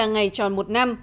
truyền thống của trung quốc